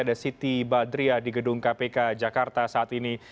ada siti badria di gedung kpk jakarta saat ini